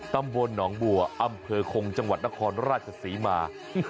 ตำบลหนองบัวอำเภอคงจังหวัดนครราชศรีมา